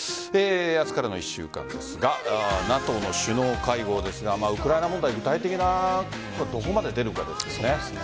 明日からの１週間ですがＮＡＴＯの首脳会合ですがウクライナ問題具体的なことどこまで出るかです。